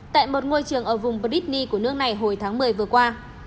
tại một ngôi trường ở vùng bridney của nước này hồi tháng một mươi vừa qua